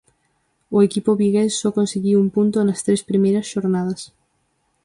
O equipo vigués só conseguiu un punto nas tres primeiras xornadas.